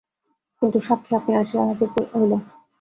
কিন্তু সাক্ষী আপনি আসিয়া হাজির হইল।